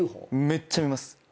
めっちゃ見ます。